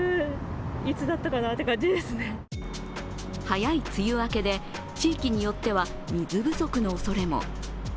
早い梅雨明けで、地域によっては水不足のおそれも。